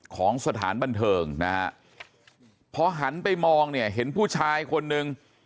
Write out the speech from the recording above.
ของสถานบันเทิงนะฮะเพราะหันไปมองเห็นผู้ชายคนหนึ่ง